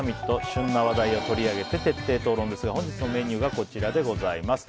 旬な話題を取り上げて徹底討論ですが本日そのメニューがこちらです。